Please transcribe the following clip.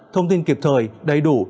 thông tin kịp thời đầy đủ